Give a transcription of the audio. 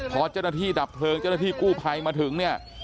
พอเจ้าหน้าที่ดับเพลิงเจ้าหน้าที่กู้ภัยมาถึงเนี่ย